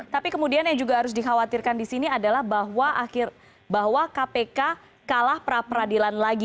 tapi kemudian yang juga harus dikhawatirkan disini adalah bahwa kpk kalah peradilan lagi